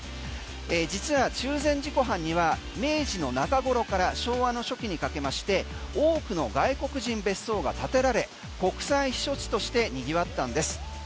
実は中禅寺湖畔には明治の中頃から昭和の初期にかけまして多くの外国人別荘が建てられ国際避暑地としてにぎわったんです。